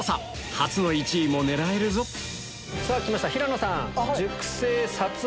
初の１位も狙えるぞさぁきました平野さん。